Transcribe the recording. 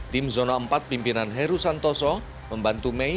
tim zona empat pimpinan heru santoso membantu mei